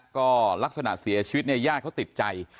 ก็ลักษณะเสียชีวิตเนี่ยญาติเขาติดใจ